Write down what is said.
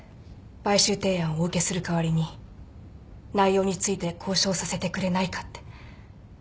買収提案をお受けする代わりに内容について交渉させてくれないかって。